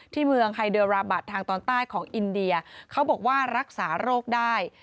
เมืองไฮเดอร์ราบัตรทางตอนใต้ของอินเดียเขาบอกว่ารักษาโรคได้